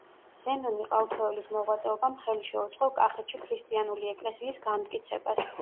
ზენონ იყალთოელის მოღვაწეობამ ხელი შეუწყო კახეთში ქრისტიანული ეკლესიის განმტკიცებას.